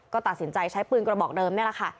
ก็ตัดสินใจใช้ปืนกระบอกเดิมนี่แหละค่ะ